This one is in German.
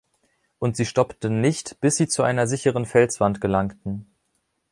Und sie stoppten nicht, bis sie zu einer sicheren Felswand gelangten.